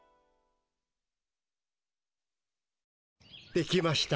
できました。